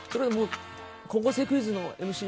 「高校生クイズ」のＭＣを